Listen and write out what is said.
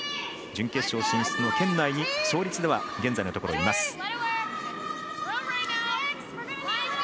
準決勝進出の圏内に勝率では現在のところいます。